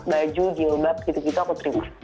baju jilbab gitu gitu aku terima